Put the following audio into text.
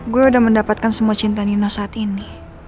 gue udah mendapatkan semua cinta nino saat ini